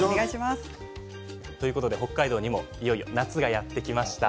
北海道にもいよいよ夏がやってきました。